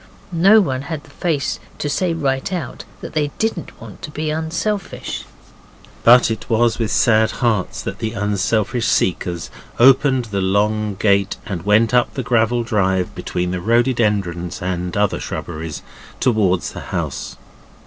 No one had the face to say right out that they didn't want to be unselfish. But it was with sad hearts that the unselfish seekers opened the long gate and went up the gravel drive between the rhododendrons and other shrubberies towards the house.